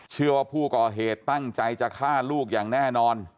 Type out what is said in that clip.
เชื่อว่าผู้ก่อเหตุตั้งใจจะฆ่าลูกอย่างแน่นอน